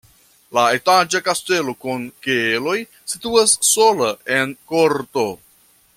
La etaĝa kastelo kun keloj situas sola en korto.